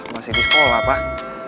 masih di pol lah pak